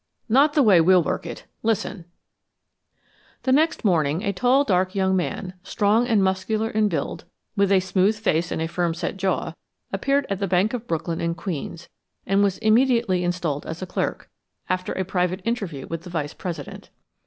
"Not the way we'll work it. Listen." The next morning, a tall, dark young man, strong and muscular in build, with a smooth face and firm set jaw, appeared at the Bank of Brooklyn & Queens, and was immediately installed as a clerk, after a private interview with the vice president.